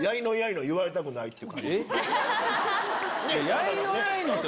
「やいのやいの」って。